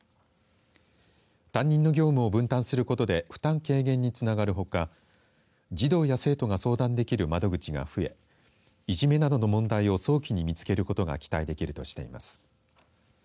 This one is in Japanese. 担任の業務を分担することで負担軽減につながるほか児童や生徒が相談できる窓口が増えいじめなどの問題を早期に見つけることが期待できるとしています。